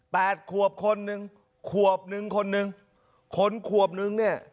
ขวบคนหนึ่งขวบนึงคนนึงคนขวบนึงเนี่ย